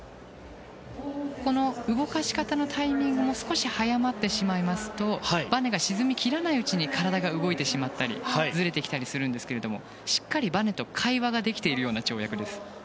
この動かし方のタイミングも少し早まってしまいますとばねが沈み切らないうちに体が動いたりずれてきたりしてしまうんですがしっかり、ばねと会話ができているような跳躍です。